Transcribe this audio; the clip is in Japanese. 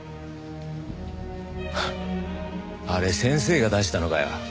ハッあれ先生が出したのかよ。